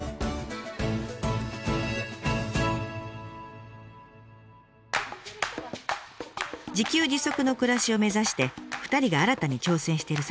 自給自足の暮らしを目指して２人が新たに挑戦している作物があります。